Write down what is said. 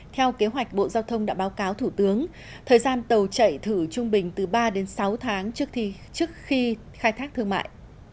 theo kế hoạch bộ giao thông đã báo cáo thủ tướng thời gian tàu chạy thử trung bình từ ba đến sáu tháng trước khi khai thác thương mại